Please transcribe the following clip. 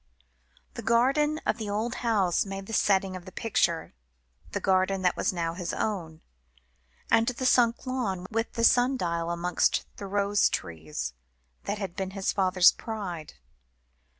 The garden of the old house made the setting of the picture the garden that was now his own, and the sunk lawn, with the sun dial amongst the rose trees, that had been his father's pride.